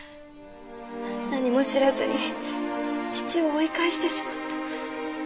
何も知らずに父を追い返してしまった。